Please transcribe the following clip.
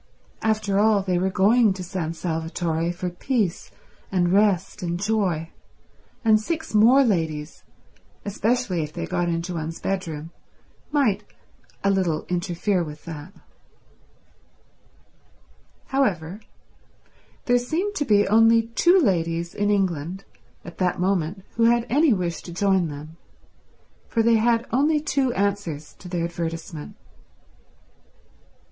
After all, they were going to San Salvatore for peace and rest and joy, and six more ladies, especially if they got into one's bedroom, might a little interfere with that. However, there seemed to be only two ladies in England at that moment who had any wish to join them, for they had only two answers to their advertisement.